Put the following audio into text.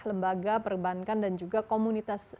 lembaga perbankan dan juga komunitas